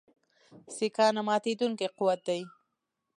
سیکهان نه ماتېدونکی قوت دی.